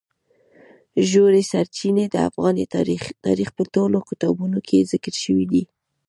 ژورې سرچینې د افغان تاریخ په ټولو کتابونو کې ذکر شوي دي.